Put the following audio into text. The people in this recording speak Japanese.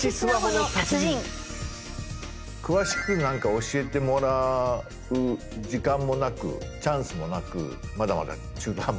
詳しくなんか教えてもらう時間もなくチャンスもなくまだまだ中途半端な。